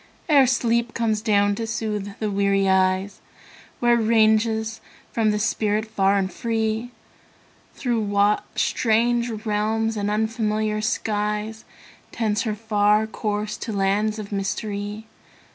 Ere sleep comes down to soothe the weary eyes, Where ranges forth the spirit far and free? Through what strange realms and unfamiliar skies. Tends her far course to lands of mystery?